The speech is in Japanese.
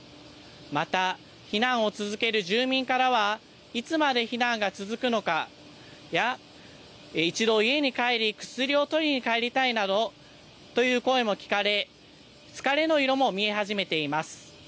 また、避難を続ける住民からは、いつまで避難が続くのかや、一度家に帰り薬を取りに帰りたいなどの声も聞かれ、疲れの色も見え始めています。